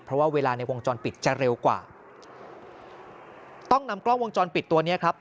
เพราะว่าเวลาในวงจรปิดจะเร็วกว่าต้องนำกล้องวงจรปิดตัวเนี้ยครับ